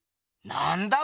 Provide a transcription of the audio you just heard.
なんだ？